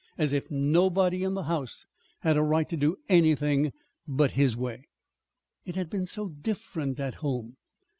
As if nobody in the house had a right to do anything but his way! It had been so different at home!